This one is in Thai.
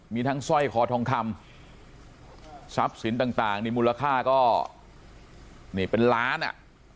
มีทั้งสร้อยคอทองคำทรัพย์สินต่างนี่มูลค่าก็นี่เป็นล้านอ่ะ